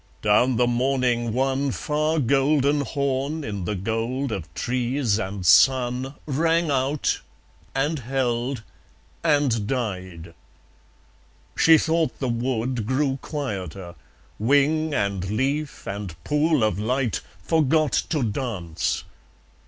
Down the morning one Far golden horn in the gold of trees and sun Rang out; and held; and died. ... She thought the wood Grew quieter. Wing, and leaf, and pool of light Forgot to dance.